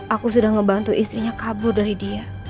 aku sudah membantu istrinya kabur dari dia